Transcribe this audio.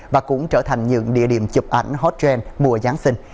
và cũng trở thành những địa điểm chụp ảnh hot trend mùa giáng sinh